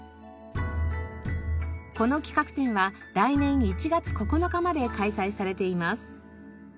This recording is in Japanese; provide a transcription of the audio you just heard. この企画展は来年１月９日まで開催されています。